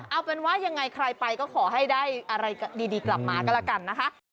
เอาเป็นว่ายังไงใครไปก็ขอให้ได้อะไรดีกลับมาก็แล้วกันนะคะ